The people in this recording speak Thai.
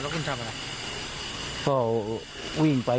คุณแล้วทำอะไร